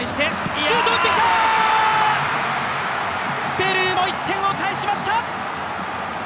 ペルー、１点を返しました。